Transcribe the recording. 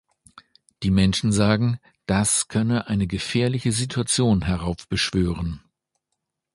Die Menschen sagen, das könne eine gefährliche Situation heraufbeschwören.